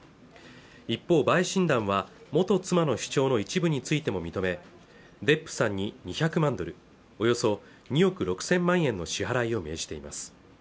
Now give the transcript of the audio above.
一方陪審団は元妻の主張の一部についても認めデップさんに２００万ドル＝およそ２億６０００万円の支払いを命じています